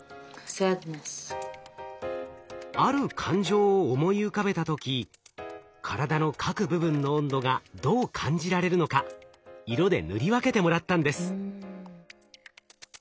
ある感情を思い浮かべた時体の各部分の温度がどう感じられるのか色で塗り分けてもらったんです。